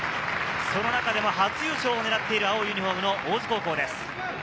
その中でも初優勝を狙っている青いユニホームの大津高校です。